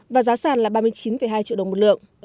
và giá sàn là ba mươi chín hai triệu đồng một lượng